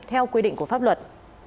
theo quy định của pháp luật